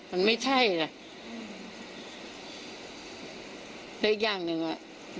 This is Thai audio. มันไม่ใช่ล่ะและอีกอย่างหนึ่งอ่ะ